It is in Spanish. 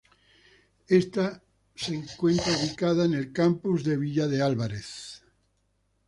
Esta encuentra ubicada en el campus de Villa de Álvarez.